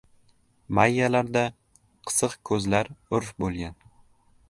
Mayyalarda qisiq ko‘zlar urf bo‘lgan